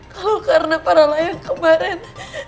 kalau karena paralah yang kemarin